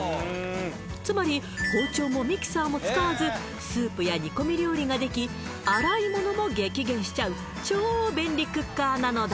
つまり包丁もミキサーも使わずスープや煮込み料理ができ洗い物も激減しちゃう超便利クッカーなのだ